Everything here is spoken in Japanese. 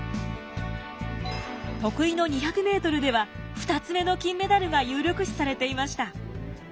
得意の２００ｍでは２つ目の金メダルが有力視されていました。